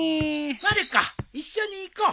まる子一緒に行こう。